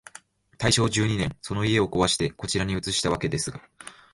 大正十二年、その家をこわして、こちらに移したわけですが、